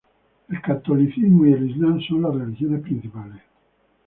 El catolicismo y el Islam son las religiones principales.